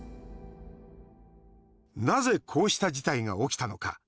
なぜ、こうした事態が起きたのか。